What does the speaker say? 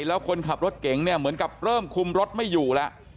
แล้วคนขับรถเก่งเนี่ยเหมือนกับเริ่มคุมรถไม่อยู่แล้ว